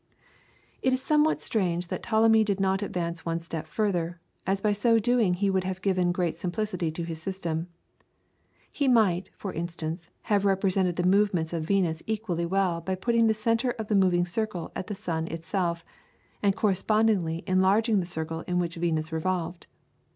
It is somewhat strange that Ptolemy did not advance one step further, as by so doing he would have given great simplicity to his system. He might, for instance, have represented the movements of Venus equally well by putting the centre of the moving circle at the sun itself, and correspondingly enlarging the circle in which Venus revolved.